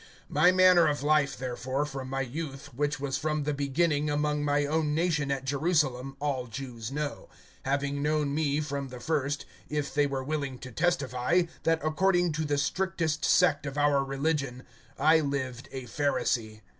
(4)My manner of life, therefore, from my youth, which was from the beginning among my own nation at Jerusalem, all Jews know; (5)having known me from the first, if they were willing to testify, that according to the strictest sect of our religion, I lived a Pharisee.